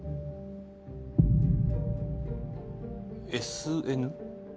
「ＳＮ」